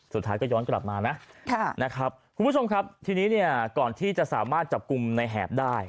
สุดท้ายก็ย้อนกลับมานะนะครับคุณผู้ชมครับทีนี้เนี่ยก่อนที่จะสามารถจับกลุ่มในแหบได้